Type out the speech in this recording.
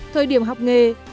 thời điểm học nghề